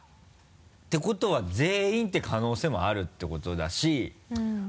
てことは全員って可能性もあるってことだし。